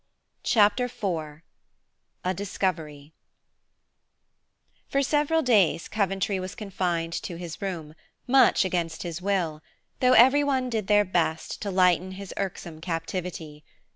Chapter IV A DISCOVERY For several days Coventry was confined to his room, much against his will, though everyone did their best to lighten his irksome captivity.